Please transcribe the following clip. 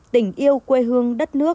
tình yêu quê hương đất nước